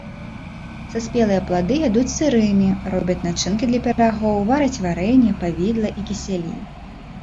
Саспелыя плады ядуць сырымі, робяць начынкі для пірагоў, вараць варэнне, павідла і кісялі.